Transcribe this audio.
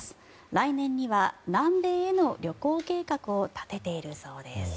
来年には南米への旅行計画を立てているそうです。